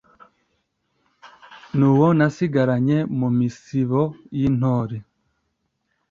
N’uwo nasigaranye mu misibo y’intore,